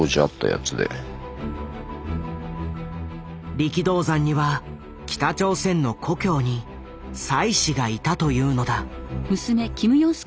力道山には北朝鮮の故郷に妻子がいたというのだ。